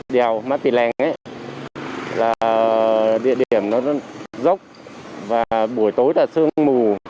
đèo mã pì lèng là địa điểm nó rốc và buổi tối là sương mù